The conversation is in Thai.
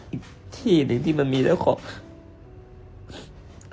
อีกที่หนึ่งที่มันมีเจ้าของ